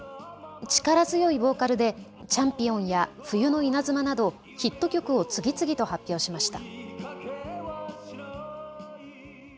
力強いボーカルでチャンピオンや冬の稲妻などヒット曲を次々と発表しました。